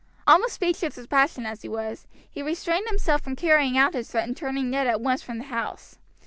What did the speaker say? Almost speechless with passion as he was, he restrained himself from carrying out his threat and turning Ned at once from the house.